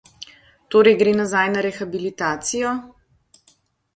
Torej gre nazaj na rehabilitacijo?